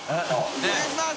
お願いします！